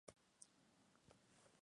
Cuenta con una gasolinera.